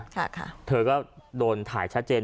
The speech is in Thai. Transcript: ค่ะเธอก็โดนถ่ายชัดเจน